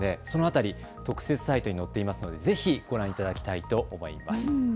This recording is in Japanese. その辺り、特設サイトに載っていますのでぜひご覧いただきたいと思います。